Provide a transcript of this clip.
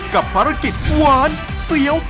กับภารกิจหวานเสียว